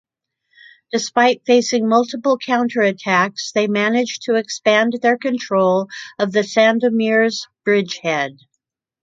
Despite facing multiple counterattacks they managed to expand their control of the Sandomierz bridgehead.